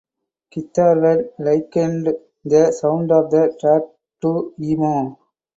Guitar World likened the sound of the track to emo.